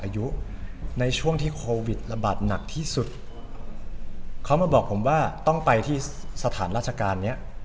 อายุในช่วงที่โควิดระบาดหนักที่สุดเขามาบอกผมว่าต้องไปที่สถานราชการเนี้ย